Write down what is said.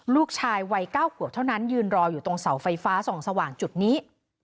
ลูกชายวัย๙ขวบเท่านั้นยืนรออยู่ตรงเสาไฟฟ้าส่องสว่างจุดนี้